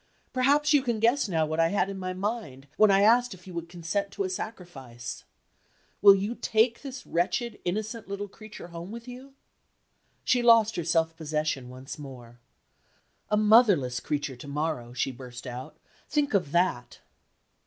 "Perhaps you can guess now what I had in my mind, when I asked if you would consent to a sacrifice? Will you take this wretched innocent little creature home with you?" She lost her self possession once more. "A motherless creature to morrow," she burst out. "Think of that."